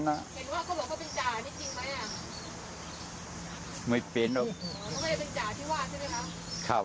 เห็นว่าเขาบอกเขาเป็นจ่านี่จริงไหมอ่ะ